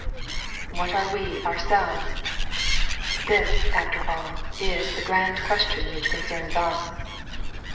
What are we ourselves ? This, after all, is the grand question which concerns us.